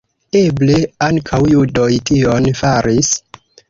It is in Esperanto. Eble ankaŭ judoj tion faris.